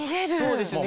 そうですね。